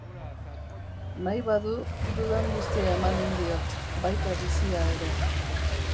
Nahi badu, dudan guztia emanen diot, baita bizia ere.